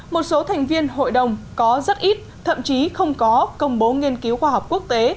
một số thành viên hội đồng có rất ít thậm chí không có công bố nghiên cứu khoa học quốc tế